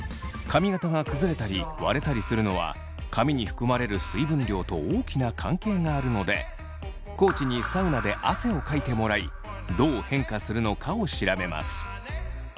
髪形が崩れたり割れたりするのは髪に含まれる水分量と大きな関係があるので地にサウナで汗をかいてもらいどう変化するのかを調べます。